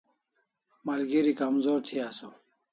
Malgeri kamzor thi asaw